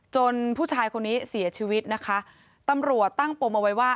ผู้ชายคนนี้เสียชีวิตนะคะตำรวจตั้งปมเอาไว้ว่า